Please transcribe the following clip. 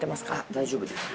大丈夫ですよ。